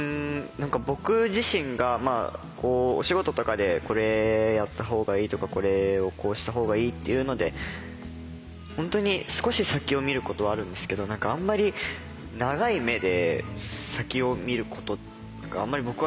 僕自身がお仕事とかでこれやった方がいいとかこれをこうした方がいいっていうので本当に少し先を見ることはあるんですけど何かあんまり長い目で先を見ることがあんまり僕はないので。